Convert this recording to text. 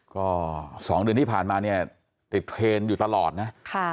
ก็๒เดือนที่ผ่านมาเนี่ยติดเทรนด์อยู่ตลอดนะ